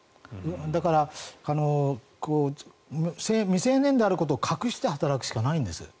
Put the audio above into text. だから、未成年であることを隠して働くしかないんです。